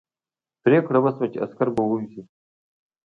پرېکړه وشوه چې عسکر به ووځي.